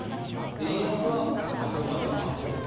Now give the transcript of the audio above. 家康は「鳴くまで待つ」。